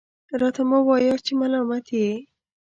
راته مه وایاست چې ملامت یې .